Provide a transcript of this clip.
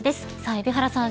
海老原さん